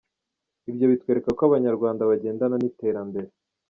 Ibyo bitwereka ko Abanyarwanda bagendana n’iterambere.